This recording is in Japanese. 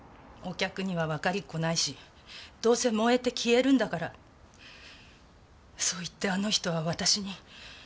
お客にはわかりっこないしどうせ燃えて消えるんだからそう言ってあの人は私に。